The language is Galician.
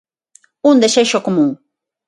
Un desexo común.